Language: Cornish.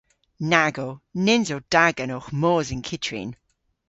Nag o. Nyns o da genowgh mos yn kyttrin.